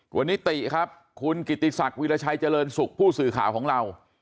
วันนี้ติครับคุณกิติศักดิราชัยเจริญสุขผู้สื่อข่าวของเรา